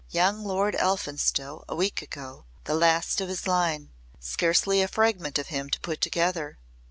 Young Lord Elphinstowe a week ago the last of his line! Scarcely a fragment of him to put together."